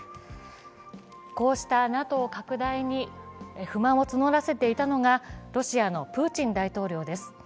こうしたＮＡＴＯ拡大に不満を募らせていたのがロシアのプーチン大統領です。